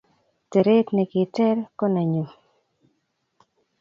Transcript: Teret nigiteer ko nenyu